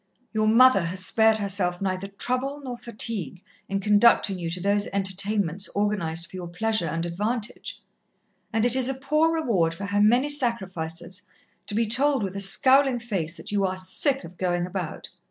Your mother has spared herself neither trouble nor fatigue in conducting you to those entertainments organized for your pleasure and advantage, and it is a poor reward for her many sacrifices to be told with a scowling face that you are 'sick of going about.'